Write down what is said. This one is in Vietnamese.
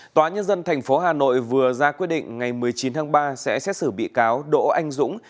tòa nhân dân tp hà nội vừa ra quyết định ngày một mươi chín tháng ba sẽ xét xử bị cáo đỗ anh dũng